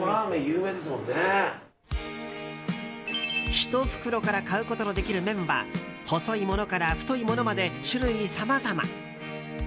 １袋から買うことのできる麺は細いものから太いものまで種類さまざま。